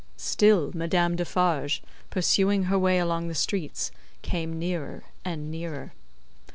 Still, Madame Defarge, pursuing her way along the streets, came nearer and nearer.